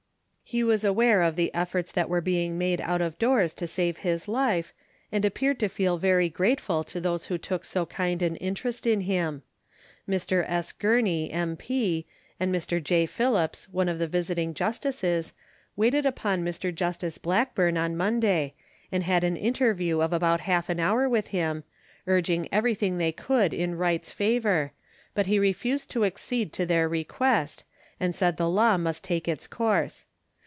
He was aware of the efforts that were being made out of doors to save his life, and appeared to feel very grateful to those who took so kind an interest in him. Mr. S. Gurney, M.P., and Mr. J. Phillips, one of the visiting justices, waited upon Mr Justice Blackburn on Monday, and had an interview of about half an hour with him, urging everything they could in Wright's favour, but he refused to accede to their request, and said the law must take its course.